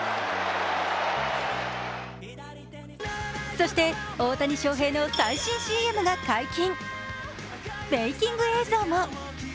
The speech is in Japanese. そして、大谷翔平の最新ＣＭが解禁メーキング映像も。